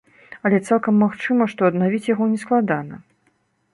Але цалкам магчыма, што аднавіць яго не складана.